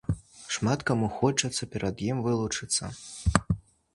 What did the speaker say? Шмат каму хочацца перад ім вылучыцца.